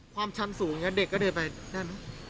ความชันสูงอย่างนี้เด็กก็เดินไปได้ไหม